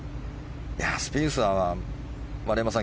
スピースは丸山さん